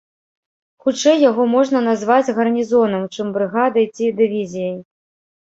Хутчэй яго можна назваць гарнізонам, чым брыгадай ці дывізіяй.